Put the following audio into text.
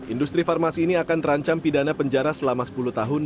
industri farmasi ini akan terancam pidana penjara selama sepuluh tahun